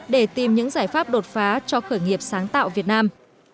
để tìm những giải pháp đột phá cho khởi nghiệp sáng tạo việt nam